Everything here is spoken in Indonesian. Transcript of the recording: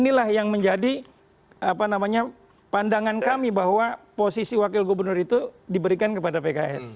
inilah yang menjadi pandangan kami bahwa posisi wakil gubernur itu diberikan kepada pks